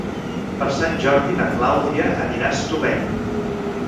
Per Sant Jordi na Clàudia anirà a Estubeny.